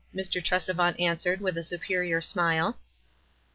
Mr. Tresevant an swered, with a superior smile.